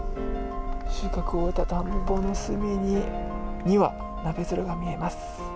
収穫を終えた田んぼの隅に、２羽、ナベヅルが見えます。